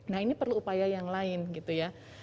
nah ini perlu upaya yang lain gitu ya